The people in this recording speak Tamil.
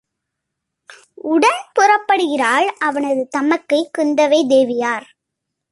உடன் புறப்படுகிறாள் அவனது தமக்கை குந்தவை தேவியார்.